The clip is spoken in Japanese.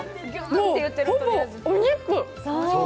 もうほぼ、お肉。